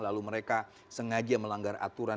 lalu mereka sengaja melanggar aturan